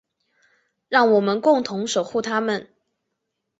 让我们共同守护她们。